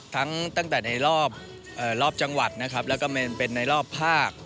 ทั้งตั้งแต่ในรอบเอ่อรอบจังหวัดนะครับแล้วก็มันเป็นในรอบภาค